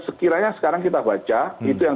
sekiranya sekarang kita baca itu yang